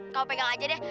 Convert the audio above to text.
kamu pegang aja deh